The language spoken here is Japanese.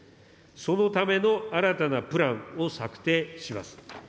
そのための新たなプランを策定します。